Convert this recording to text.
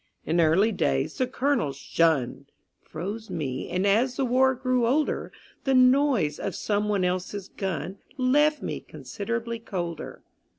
In early days the Colonel's "Shun!" Froze me; and, as the War grew older, The noise of someone else's gun Left me considerably colder.